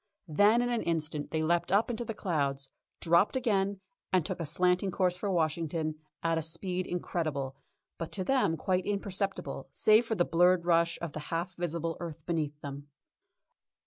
Then in an instant they leapt up into the clouds, dropped again, and took a slanting course for Washington at a speed incredible, but to them quite imperceptible, save for the blurred rush of the half visible earth behind them.